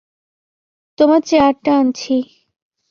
তোমার চেয়ারটা আনছি।